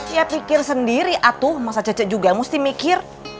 ya pikir sendiri atuh masa cece juga mesti mikir